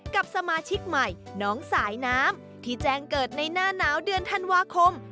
กับสมาชิกใหม่น้องสายน้ำที่แจ้งเกิดในหน้าหนาวเดือนธันวาคม